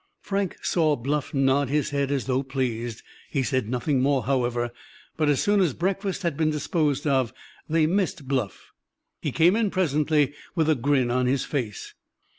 Frank saw Bluff nod his head as though pleased. He said nothing more, however, but as soon as breakfast had been disposed of they missed Bluff. He came in presently with a grin on his face.